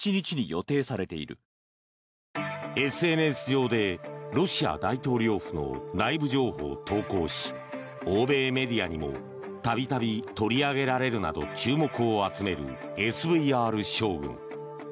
ＳＮＳ上で、ロシア大統領府の内部情報を投稿し欧米メディアにもたびたび取り上げられるなど注目を集めるＳＶＲ将軍。